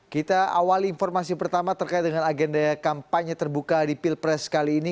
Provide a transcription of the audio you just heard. kita awali informasi pertama terkait dengan agenda kampanye terbuka di pilpres kali ini